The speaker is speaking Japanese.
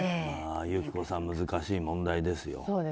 友紀子さん、難しい問題ですよ。